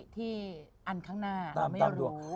ที่อันข้างหน้าเราไม่รู้